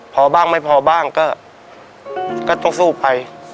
พอบ้างไม่พอบ้างก็ต้องสู้ไป